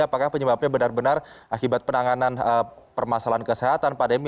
apakah penyebabnya benar benar akibat penanganan permasalahan kesehatan pandemi